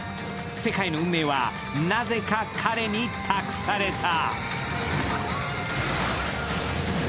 世界の運命は、なぜか彼に託された。